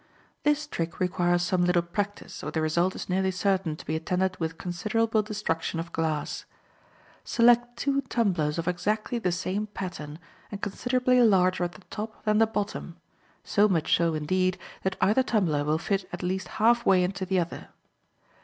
—This trick requires some little practice, or the result is nearly certain to be attended with considerable destruction of glass. Select two tumblers of exactly the same pattern, and considerably larger at the top than the bottom—so much so, indeed, that either tumbler will fit at least halfway into the other.